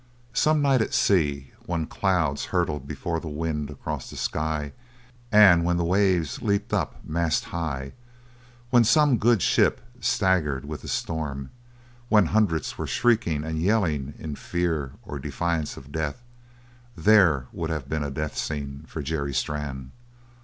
Some night at sea, when clouds hurtled before the wind across the sky and when the waves leaped up mast high; when some good ship staggered with the storm, when hundreds were shrieking and yelling in fear or defiance of death; there would have been a death scene for Jerry Strann.